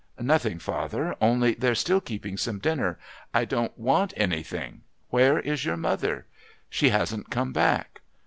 "Nothing, father only they're still keeping some dinner " "I don't want anything. Where is your mother?" "She hasn't come back."